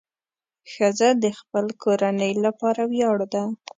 ښځه د خپل کورنۍ لپاره ویاړ ده.